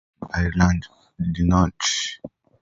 Wales and Northern Ireland did not.